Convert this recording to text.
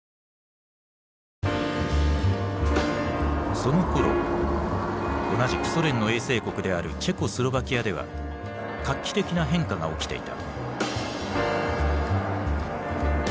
そのころ同じくソ連の衛星国であるチェコスロバキアでは画期的な変化が起きていた。